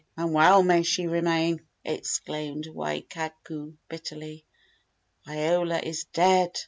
"And well may she remain!" exclaimed Waikuku bitterly. "Iola is dead!